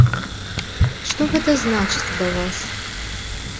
Што гэта значыць для вас?